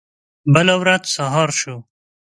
بله ورځ سهار شو.